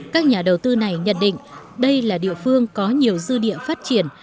các nhà đầu tư này nhận định đây là địa phương có nhiều dư địa phát triển